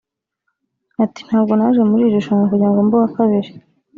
Ati “Ntabwo naje muri iri rushanwa kugira ngo mbe uwa kabiri